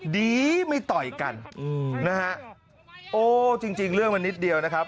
ดีไม่ต่อยกันอืมนะฮะโอ้จริงจริงเรื่องมันนิดเดียวนะครับ